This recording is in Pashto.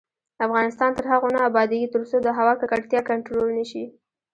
افغانستان تر هغو نه ابادیږي، ترڅو د هوا ککړتیا کنټرول نشي.